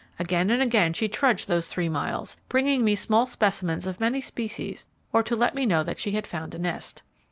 Again and again she trudged those three miles, bringing me small specimens of many species or to let me know that she had found a nest.